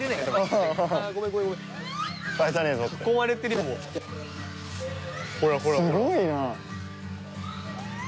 すごいな。